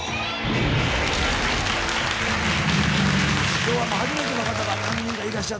今日は初めての方が何人かいらっしゃって。